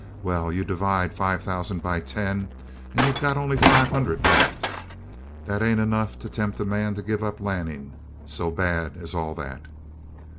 Well, you divide five thousand by ten, and you've got only five hundred left. That ain't enough to tempt a man to give up Lanning so bad as all that."